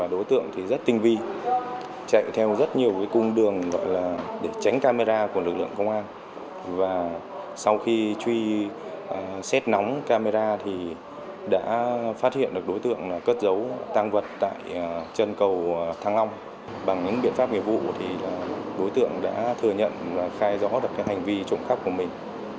đối tượng đã thừa nhận và khai rõ được cái hành vi trộm khắp của mình